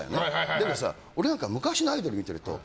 でもさ、俺なんか昔のアイドル見てるから。